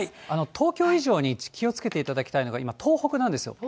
東京以上に気をつけていただきたいのが、今、東北なんですよ。